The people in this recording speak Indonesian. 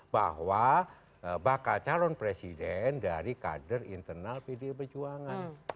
bahwa bakal calon presiden dari kader internal pdi perjuangan